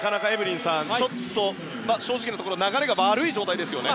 正直なところ流れが悪い状態ですね。